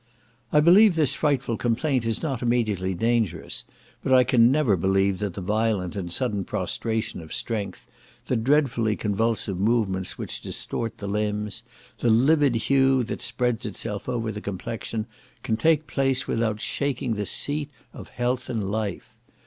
I believe this frightful complaint is not immediately dangerous; but I never can believe that the violent and sudden prostration of strength, the dreadfully convulsive movements which distort the limbs, the livid hue that spreads itself over the complexion, can take place without shaking the seat of health and life.